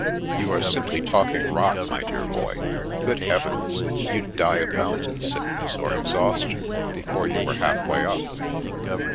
" You are simply talking rot, my dear boy. Good heavens, you'd die of mountain sickness or exhaus tion before you were half way up."